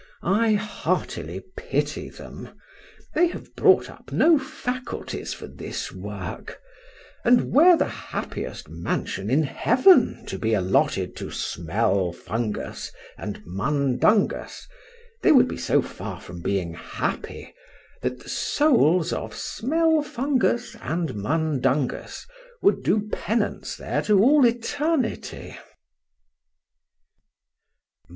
—I heartily pity them; they have brought up no faculties for this work; and, were the happiest mansion in heaven to be allotted to Smelfungus and Mundungus, they would be so far from being happy, that the souls of Smelfungus and Mundungus would do penance there to all eternity!